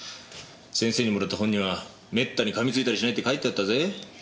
先生にもらった本にはめったに噛み付いたりしないって書いてあったぜ。